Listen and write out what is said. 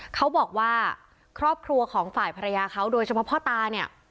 เขาบอกว่าครอบครัวของฝ่ายภรรยาเขาโดยเฉพาะพ่อตาเนี่ย